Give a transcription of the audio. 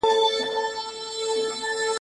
کشکي ستاسي په څېر زه هم الوتلای `